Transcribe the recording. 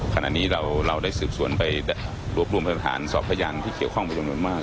ขณะนี้เราได้สืบส่วนไปหลวบรวมระถานสอบพยานที่เขียวข้องไปจังหวนมาก